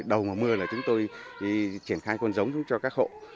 đầu mưa chúng tôi triển khai con giống cho các hộ